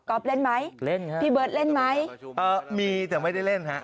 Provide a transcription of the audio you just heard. กอล์ฟเล่นไหมพี่เบิร์ตเล่นไหมเล่นครับมีแต่ไม่ได้เล่นครับ